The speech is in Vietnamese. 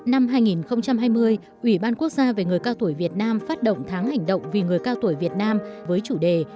năm hai nghìn hai mươi ủy ban quốc gia về người cao tuổi việt nam phát động tháng hành động vì người cao tuổi việt nam với chủ đề